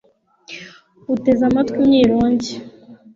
uteze amatwi imyirongi